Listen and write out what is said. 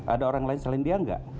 ada orang lain selain dia enggak